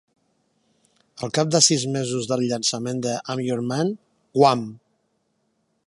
Al cap de sis mesos del llançament de "I'm Your Man", Wham!